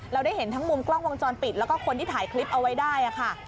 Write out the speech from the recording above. ได้เห็นทั้งมุมกล้องวงจรปิดแล้วก็คนที่ถ่ายคลิปเอาไว้ได้ค่ะ